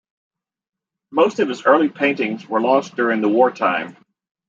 Most of his early paintings were lost during the war time.